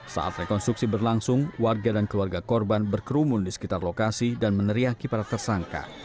saat rekonstruksi berlangsung warga dan keluarga korban berkerumun di sekitar lokasi dan meneriaki para tersangka